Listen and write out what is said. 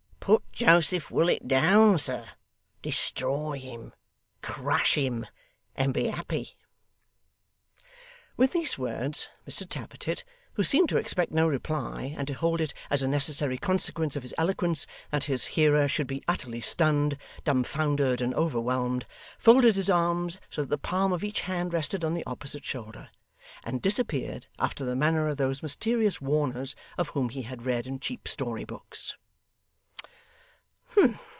Put Joseph Willet down, sir. Destroy him. Crush him. And be happy.' With these words, Mr Tappertit, who seemed to expect no reply, and to hold it as a necessary consequence of his eloquence that his hearer should be utterly stunned, dumbfoundered, and overwhelmed, folded his arms so that the palm of each hand rested on the opposite shoulder, and disappeared after the manner of those mysterious warners of whom he had read in cheap story books.